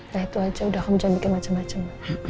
nah itu aja udah aku mencantikkan macam macam